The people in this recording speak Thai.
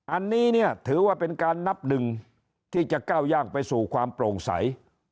อันนี้เนี่ยถือว่าเป็นการนับหนึ่งที่จะก้าวย่างไปสู่ความโปร่งใส